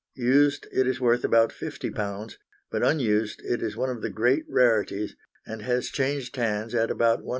Used it is worth about £50, but unused it is one of the great rarities, and has changed hands at about £150.